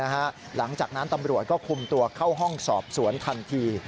หลังจากนั้นตำรวจก็คุมตัวเข้าห้องสอบสวนทันที